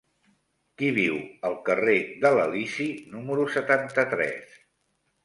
Qui viu al carrer de l'Elisi número setanta-tres?